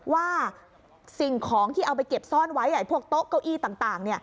ว่าสิ่งของที่เอาไปเก็บซ่อนไว้พวกโต๊ะเก้าอี้ต่าง